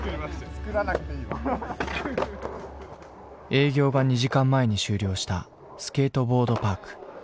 営業が２時間前に終了したスケートボードパーク。